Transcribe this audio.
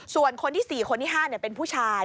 ส่วนคนที่๔คนที่๕เป็นผู้ชาย